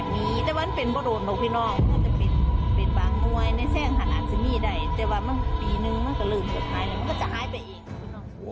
มันก็จะหายไปอีก